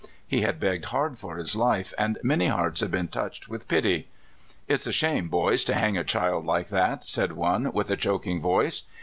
He had begged hard for his life, and many hearts had been touched with pity. '* It's a shame, boys, to hang a child like that," said one, with a choking voice.